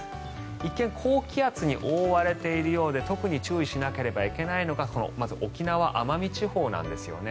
一見高気圧に覆われているようで特に注意しなければいけないのがまず沖縄・奄美地方なんですよね。